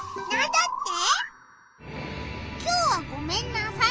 だって！